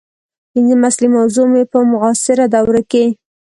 پنځمه اصلي موضوع مې په معاصره دوره کې